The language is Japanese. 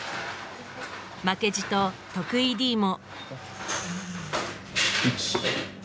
負けじと徳井Ｄも。